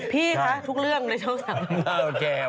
พี่คะทุกเรื่องในช่องสั่ง